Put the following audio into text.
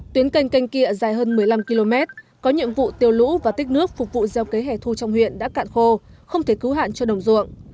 tuyến canh canh kia dài hơn một mươi năm km có nhiệm vụ tiêu lũ và tích nước phục vụ gieo cấy hẻ thu trong huyện đã cạn khô không thể cứu hạn cho đồng ruộng